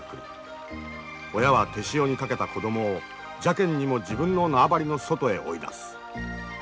親は手塩にかけた子供を邪けんにも自分の縄張りの外へ追い出す。